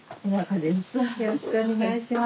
よろしくお願いします。